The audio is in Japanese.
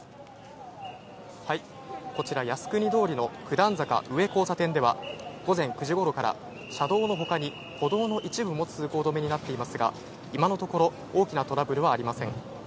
こちら靖国通りの九段坂上交差点では午前９時頃から車道のほかに歩道の一部も通行止めになっていますが、今のところ大きなトラブルはありません。